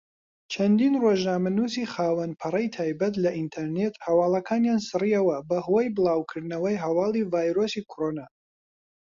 چەندین ڕۆژنامەنووسی خاوەن پەڕەی تایبەت لە ئینتەرنێت هەواڵەکانیان سڕیەوە بەهۆی بڵاوکردنەوەی هەواڵی ڤایرۆسی کۆڕۆنا.